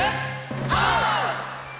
オー！